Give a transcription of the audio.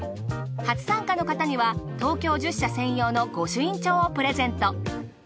初参加の方には東京十社専用の御朱印帳をプレゼント。